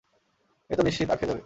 এ তো নিশ্চিত আটকে যাবে।